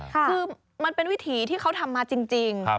คือมันเป็นวิถีที่เขาทำมาจริง